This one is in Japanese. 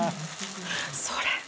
それ！